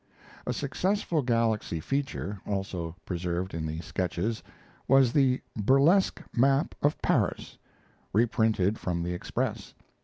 A successful Galaxy feature, also preserved in the Sketches, was the "Burlesque Map of Paris," reprinted from the Express.